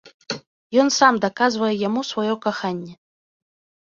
Ён сам даказвае яму сваё каханне.